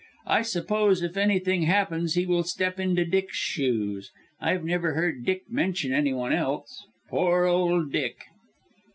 I suppose if anything happens he will step into Dick's shoes. I've never heard Dick mention any one else. Poor old Dick!"